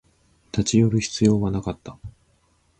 立ち寄る必要はなかった